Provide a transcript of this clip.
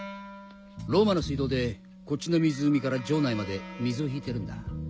ローマの水道でこっちの湖から城内まで水を引いてるんだ。